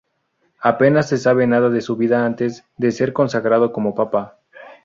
Apenas se sabe nada de su vida antes de ser consagrado como papa.